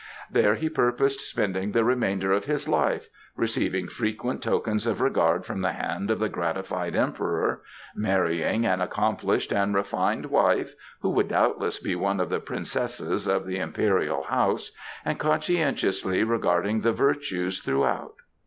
There he purposed spending the remainder of his life, receiving frequent tokens of regard from the hand of the gratified Emperor, marrying an accomplished and refined wife who would doubtless be one of the princesses of the Imperial House, and conscientiously regarding The Virtues throughout.